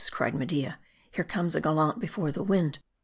cried Media, " here comes a gallant before the wind.